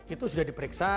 itu sudah diperiksa